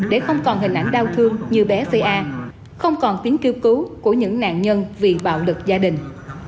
để không còn hình ảnh đau thương như bé ph a không còn tiếng kêu cứu của những nạn nhân vì bạo lực gia đình